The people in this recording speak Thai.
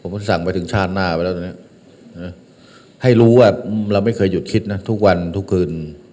สั่งไปถึงชาติหน้าไปแล้วตอนนี้ให้รู้ว่าเราไม่เคยหยุดคิดนะทุกวันทุกคืน